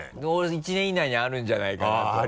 １年以内にあるんじゃないかなと思ってて。